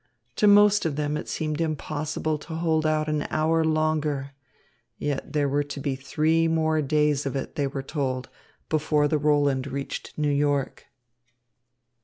To most of them it seemed impossible to hold out an hour longer. Yet there were to be three days more of it, they were told, before the Roland reached New York.